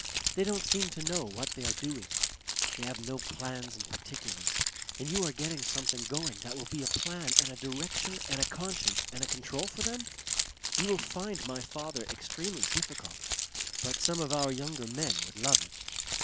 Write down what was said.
They don't seem to know what they are doing. They have no plans in particular.... And you are getting something going that will be a plan and a direction and a conscience and a control for them? You will find my father extremely difficult, but some of our younger men would love it.